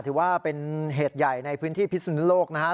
ถือว่าเป็นเหตุใหญ่ในพื้นที่พิศนุโลกนะครับ